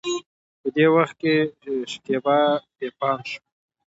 په دې وخت کې د شکيبا پې پام شو.